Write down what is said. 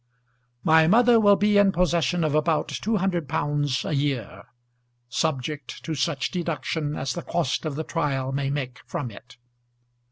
My mother will be in possession of about £200 a year, subject to such deduction as the cost of the trial may make from it.